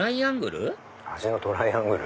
味のトライアングル！